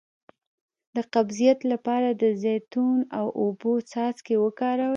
د قبضیت لپاره د زیتون او اوبو څاڅکي وکاروئ